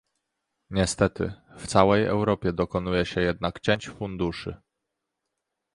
Niestety, w całej Europie dokonuje się jednak cięć funduszy